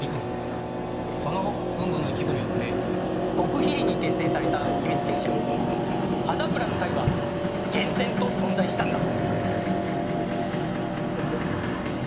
その軍部の一部によって極秘裏に結成された秘密結社刃桜の会は厳然と存在したんだ！